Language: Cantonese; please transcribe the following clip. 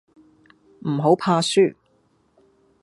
唔好怕輸